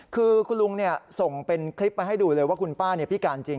คือคุณลุงส่งเป็นคลิปมาให้ดูเลยว่าคุณป้าพิการจริง